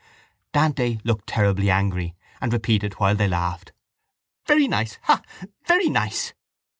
Dante looked terribly angry and repeated while they laughed: —Very nice! Ha! Very nice!